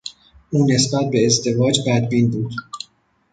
او نسبت به ازدواج بدبین بود.